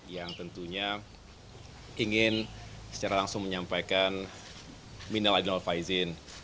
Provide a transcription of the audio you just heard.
yang tentunya ingin secara langsung menyampaikan minal adil faizin